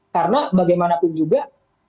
karena bagaimanapun juga